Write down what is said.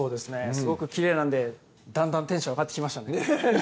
すごくきれいなんでだんだんテンション上がってきましたね